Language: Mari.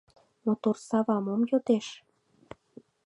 Мотор сава мом йодеш?